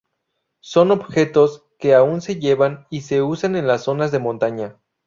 Son objetos que aún se llevan y se usan en las zonas de montaña.